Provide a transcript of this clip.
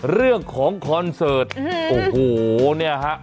เรื่องของคอนเสิร์ตโอ้โฮเนี่ยฮะ